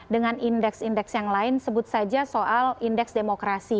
dengan indeks indeks yang lain sebut saja soal indeks demokrasi